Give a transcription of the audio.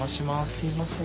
すみません。